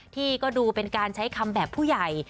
ที่ก็ดูเป็นการใช้คำแบบผู้ใหญ่